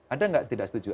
ada nggak yang tidak setuju